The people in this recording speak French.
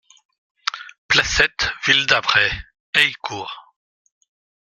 Placette Ville d'Avray, Heillecourt